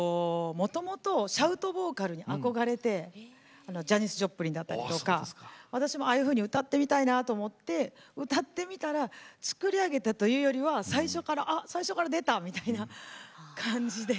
もともとシャウトボーカルに憧れてジャニス・ジョプリンだったりとか私もああいうふうに歌ってみたいなと思って歌ってみたら作り上げたというよりは最初からあ最初から出たみたいな感じで。